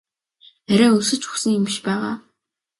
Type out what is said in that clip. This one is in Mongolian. Арай өлсөж үхсэн юм биш байгаа?